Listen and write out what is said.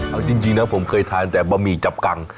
เอาจริงนะผมเคยทานแต่บะหมี่จับกัง